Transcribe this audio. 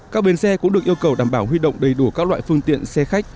các bến xe cũng được yêu cầu đảm bảo huy động đầy đủ các loại phương tiện xe khách